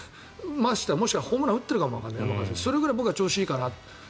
ましてやホームラン打っているかもわからないそれくらい調子がいいかなと。